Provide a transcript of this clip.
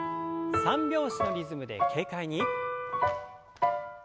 三拍子のリズムで軽快に。